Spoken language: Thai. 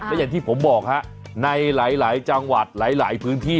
และอย่างที่ผมบอกฮะในหลายจังหวัดหลายพื้นที่